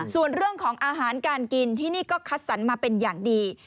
ส่วนเรื่องของอาหารการกินที่นี่ก็คัดสรรมาเป็นอย่างดี